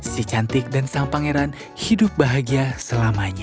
si cantik dan sang pangeran hidup bahagia selamanya